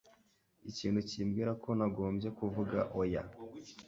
Ikintu kimbwira ko nagombye kuvuga oya.